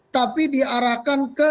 tapi diarahkan ke ru